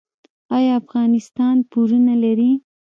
آیا افغانستان پورونه لري؟